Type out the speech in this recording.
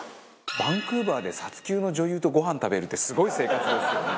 バンクーバーで撮休の女優とごはん食べるってすごい生活ですよね。